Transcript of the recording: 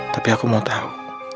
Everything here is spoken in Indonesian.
tapi aku mau tau